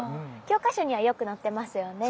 教科書にはよく載ってますよね。